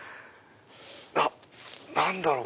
あっ何だろう？